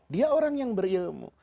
dia orang yang berilmu